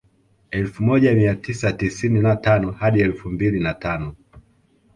Elfu moja mia tisa tisini na tano hadi elfu mbili na tano